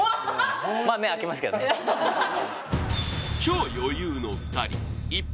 超余裕の２人一発